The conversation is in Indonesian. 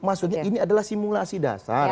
maksudnya ini adalah simulasi dasar